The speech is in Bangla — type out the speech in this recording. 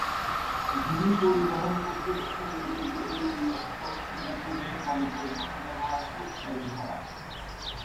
ভূমি পরিবহন কর্তৃপক্ষের নীতিগুলির মূল লক্ষ্য সিঙ্গাপুরে গণপরিবহন ব্যবহারকে উৎসাহিত করা।